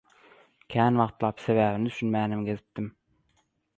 Kän wagtlap sebäbine düşünmänem gezipdim.